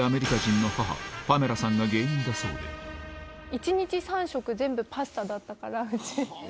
１日３食全部パスタだったからうち。